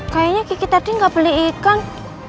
kayaknya kiki tadi gak beli ikan